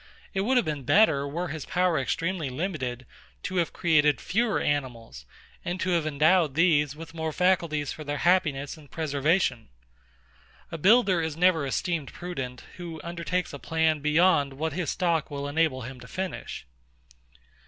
It would have been better, were his power extremely limited, to have created fewer animals, and to have endowed these with more faculties for their happiness and preservation. A builder is never esteemed prudent, who undertakes a plan beyond what his stock will enable him to finish.